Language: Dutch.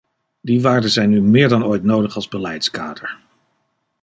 Die waarden zijn nu meer dan ooit nodig als beleidskader.